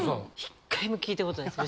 １回も聞いたことないです。